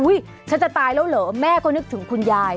ฉันจะตายแล้วเหรอแม่ก็นึกถึงคุณยาย